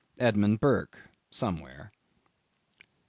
—Edmund Burke. (somewhere.)